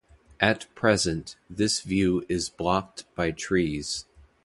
At present this view is blocked by trees.